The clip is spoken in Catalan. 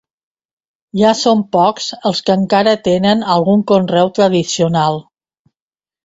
Ja són pocs els que encara tenen algun conreu tradicional.